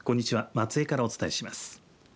松江からお伝えします。